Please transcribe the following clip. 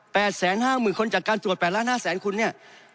แสนห้าหมื่นคนจากการตรวจแปดล้านห้าแสนคุณเนี่ย